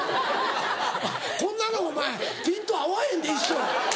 こんなのお前ピント合わへんで一生。